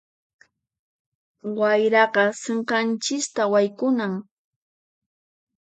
Wayraqa sinqanchista haykunan.